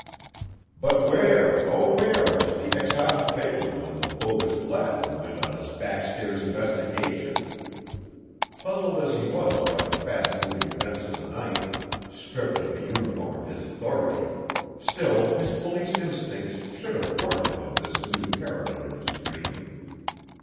But where, oh, where was the exiled Phelan when the bogus Gladwin went on his backstairs investigation? Puzzled as he was by the fast moving events of the night, stripped of the uniform of his authority, still his police instincts should have warned him of this new character in his dream.